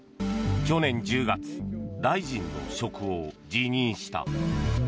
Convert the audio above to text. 去年１０月大臣の職を辞任した。